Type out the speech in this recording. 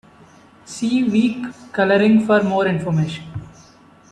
See weak coloring for more information.